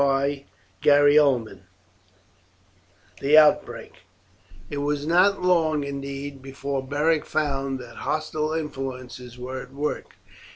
CHAPTER XVIII: THE OUTBREAK It was not long, indeed, before Beric found that hostile influences were at work.